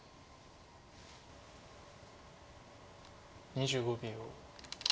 ２５秒。